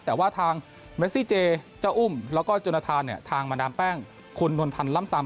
แต่ว่าทางเมซี่เจเจ้าอุ้มแล้วก็จนทานเนี่ยทางมาดามแป้งคุณนวลพันธ์ล่ำซำ